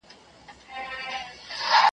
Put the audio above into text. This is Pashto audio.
چی له ظلمه دي خلاص کړی یمه خوره یې .